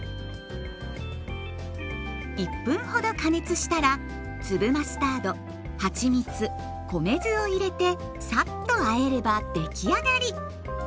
１分ほど加熱したら粒マスタードはちみつ米酢を入れてさっとあえればできあがり。